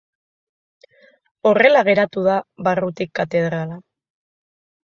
Horrela geratu da barrutik katedrala.